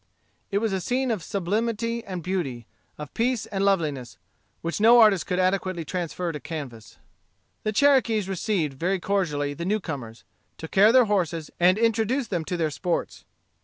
It was a scene of sublimity and beauty, of peace and loveliness, which no artist could adequately transfer to canvas. The Cherokees received very cordially the newcomers, took care of their horses, and introduced them to their sports.